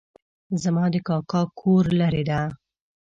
زما د کاکا کور لرې ده